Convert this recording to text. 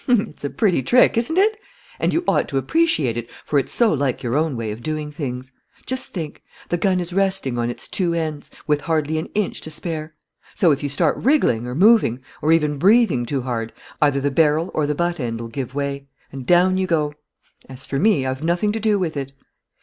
"It's a pretty trick, isn't it? And you ought to appreciate it, for it's so like your own way of doing things. Just think: the gun is resting on its two ends, with hardly an inch to spare. So, if you start wriggling, or moving, or even breathing too hard, either the barrel or the butt end'll give way; and down you go! As for me, I've nothing to do with it!